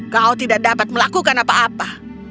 kau tidak dapat melakukan apa apa